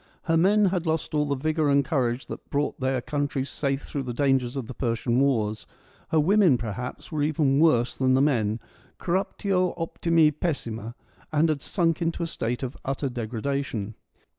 Her men had lost all the vigour and courage that brought their country safe through the dangers of the Persian Wars : her women, perhaps, were even worse than the men — corruptio optimi pessima — and had sunk into a state of utter degradation.